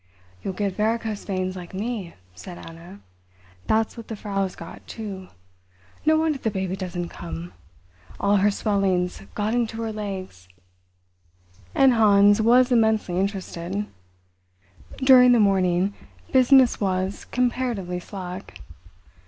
"You'll get varicose veins, like me," said Anna. "That's what the Frau's got, too. No wonder the baby doesn't come! All her swelling's got into her legs." And Hans was immensely interested. During the morning business was comparatively slack.